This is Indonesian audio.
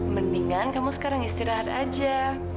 mendingan kamu sekarang istirahat aja